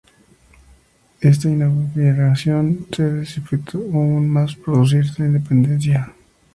Esta inmigración se intensificó aún más al producirse la independencia.